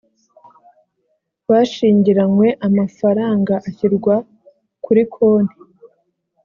bashingiranywe amafaranga ashyirwa kuri konti